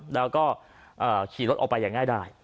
แล้วก็ขี่รถออกไปอย่างง่ายได้